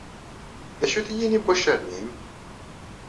D acu-t yini n waccaren-nnem?